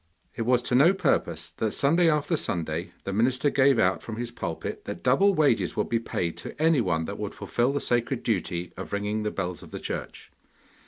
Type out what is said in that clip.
It was to no purpose that Sunday after Sunday the minister gave out from his pulpit that double wages would be paid to anyone that would fulfil the sacred duty of ringing the bells of the church.